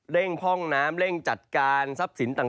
ห้องน้ำเร่งจัดการทรัพย์สินต่าง